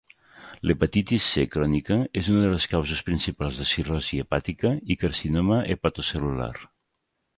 L'hepatitis C crònica és una de les causes principals de cirrosi hepàtica i carcinoma hepatocel·lular.